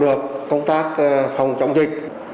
hiệu được công tác phòng chống dịch